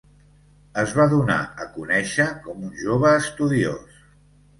Es va donar a conèixer com un jove estudiós.